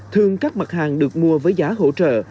thường các mặt hàng được mua với giá hỗ trợ